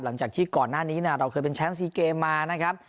หลังจากที่ก่อนหน้านี้เราเคยเป็นแชมป์๔เกมมานะครับ